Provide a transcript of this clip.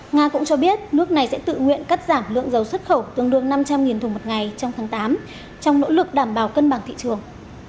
nga cũng cho biết nước này sẽ tự nguyện cắt giảm lượng dầu xuất khẩu tương đương năm trăm linh thùng một ngày trong tháng tám trong nỗ lực đảm bảo cân bằng thị trường